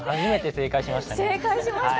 正解しましたね。